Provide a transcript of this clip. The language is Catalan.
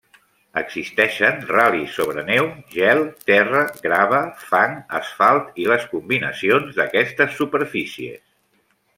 Existeixen ral·lis sobre neu, gel, terra, grava, fang, asfalt i les combinacions d'aquestes superfícies.